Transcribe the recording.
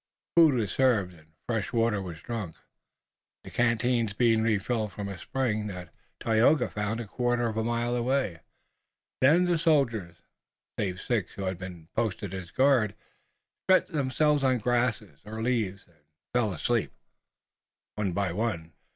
Food was served and fresh water was drunk, the canteens being refilled from a spring that Tayoga found a quarter of a mile away. Then the soldiers, save six who had been posted as guard, stretched themselves on grass or leaves, and fell asleep, one by one.